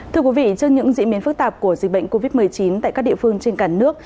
thưa quý vị trên những diễn biến phức tạp của dịch bệnh covid một mươi chín tại các địa phương trên cả nước